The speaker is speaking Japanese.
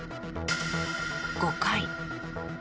５回。